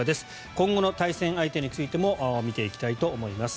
今後の対戦相手についても見ていきたいと思います。